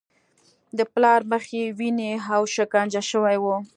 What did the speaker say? د پلار مخ یې وینې و او شکنجه شوی و